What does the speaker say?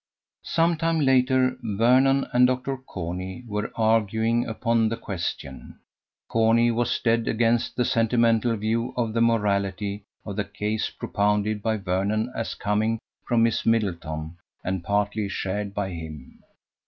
Some time later Vernon and Dr. Corney were arguing upon the question. Corney was dead against the sentimental view of the morality of the case propounded by Vernon as coming from Miss Middleton and partly shared by him.